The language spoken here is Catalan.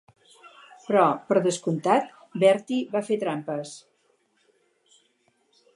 Però, per descomptat, Bertie va fer trampes.